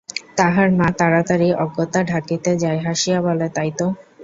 তাহার মা তাড়াতাড়ি অজ্ঞতা ঢাকিতে যায়, হাসিয়া বলে, তাই তো!